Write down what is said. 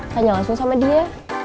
tanya langsung sama dia